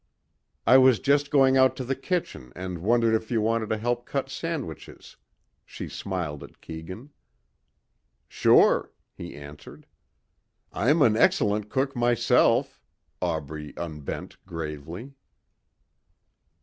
"I was just going out to the kitchen and wondered if you wanted to help cut sandwiches," she smiled at Keegan. "Sure," he answered. "I'm an excellent cook myself," Aubrey unbent gravely.